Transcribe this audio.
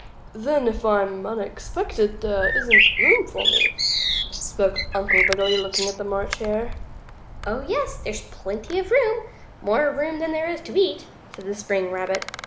"Then if I'm unexpected, perhaps there isn't room for me," spoke Uncle Wiggily, looking at the March Hare. "Oh, yes, there's plenty of room more room than there is to eat," said the spring rabbit.